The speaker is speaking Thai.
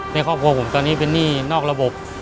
ในครอบครัวผมตอนนี้เป็นหนี้นอกระบบ